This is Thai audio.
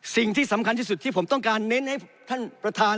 สิ่งที่สำคัญที่สุดที่ผมต้องการเน้นให้ท่านประธาน